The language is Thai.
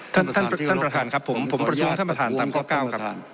ท่านประธานครับผมผมประโยชน์ท่านประธานตามข้อ๙ครับ